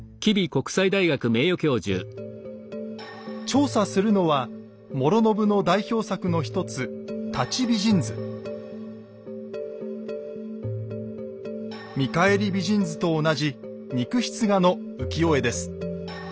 調査するのは師宣の代表作の一つ「見返り美人図」と同じ肉筆画の浮世絵です。